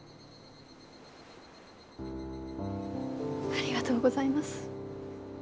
ありがとうございます。